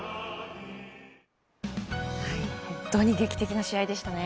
本当に劇的な試合でしたね。